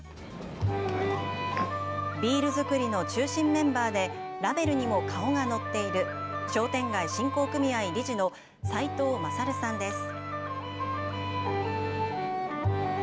ビール造りの中心メンバーで、ラベルにも顔が載っている商店街振興組合理事の齋藤優さんです。